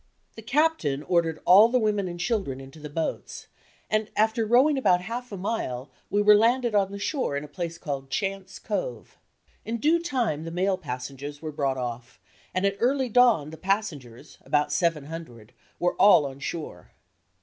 The captain ordered all the women and children into the boats, and after rowing about half a mile we were landed on the shore in a place called Chance Cove. In due time the male passengers were brought off, and at early dawn the passengers, about seven hundred, were all on shore.